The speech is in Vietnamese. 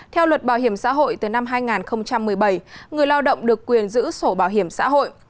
theo luật bảo hiểm xã hội từ năm hai nghìn một mươi bảy người lao động được quyền giữ sổ bảo hiểm xã hội